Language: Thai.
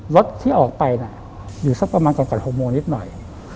รถที่ออกไปน่ะอยู่สักประมาณก่อน๖โมงนิดหน่อย